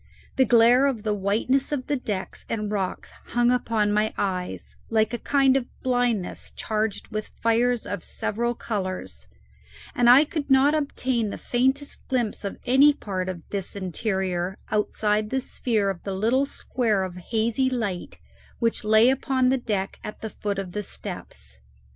The glare of the whiteness of the decks and rocks hung upon my eyes like a kind of blindness charged with fires of several colours, and I could not obtain the faintest glimpse of any part of this interior outside the sphere of the little square of hazy light which lay upon the deck at the foot of the steps.